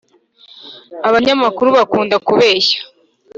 abanyamakuru bakunda kubeshya